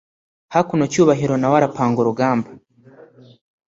hakuno cyubahiro nawe arapanga urugamba